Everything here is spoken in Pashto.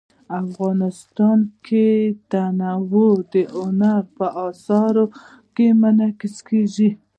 افغانستان کې تنوع د هنر په اثار کې منعکس کېږي.